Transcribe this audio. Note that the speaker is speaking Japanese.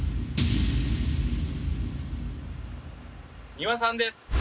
丹羽さんです。